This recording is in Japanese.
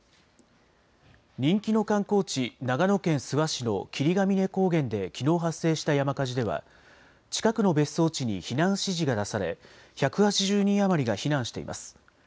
人気の観光地、長野県諏訪市の霧ヶ峰高原できのう発生した山火事では、近くの別荘地に避難指示が出され、１８０人余りが避難しています。